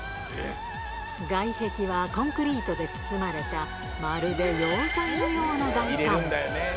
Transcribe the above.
外壁はコンクリートで包まれた、まるで要塞のような外観。